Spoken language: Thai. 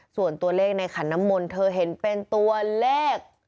ส่วนตัวเลขในขันน้ำมนต์เธอเห็นเป็นตัวเลข